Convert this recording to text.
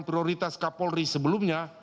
prioritas kapolri sebelumnya